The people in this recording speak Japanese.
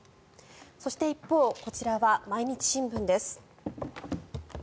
そして、一方、こちらは毎日新聞です。